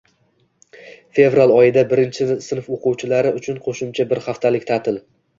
✔️Fevral oyida birinchi sinf o'quvchilari uchun qo'shimcha bir haftalik ta'til.